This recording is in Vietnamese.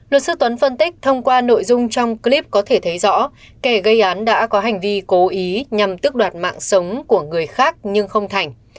luật sư tuấn phân tích thông qua nội dung trong clip có thể thấy rõ kẻ gây án đã có hành vi cố ý nhằm tức đoạt mạng sống của người khác nhưng không thành